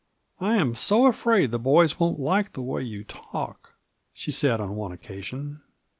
"I am so afraid the boys won't like the way you talk," she said on one occasion.